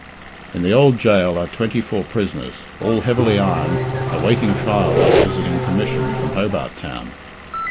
In the old gaol are twenty four prisoners, all heavily ironed, awaiting trial by the visiting Commission, from Hobart Town.